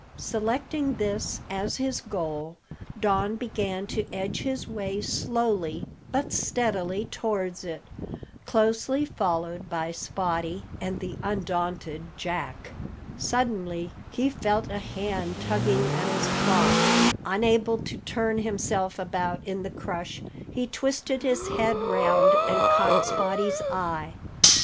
Selecting this as his goal, Don began to edge his way slowly but steadily towards it, closely followed by Spottie and the undaunted Jack. Suddenly he felt a hand tugging at his cloth. Unable to turn himself about in the crush, he twisted his head round and caught Spottie's eye.